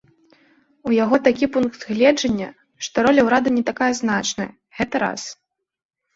У яго такі пункт гледжання, што роля ўрада не такая значная, гэта раз.